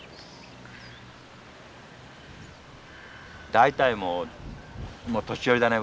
大体もうもう年寄りだね